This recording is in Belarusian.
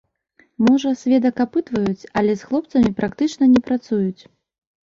Можа, сведак апытваюць, але з хлопцамі практычна не працуюць.